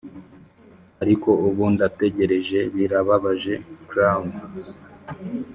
ariko ubu ndategereje, birababaje clown,